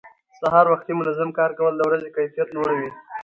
سهار وختي منظم کار کول د ورځې کیفیت لوړوي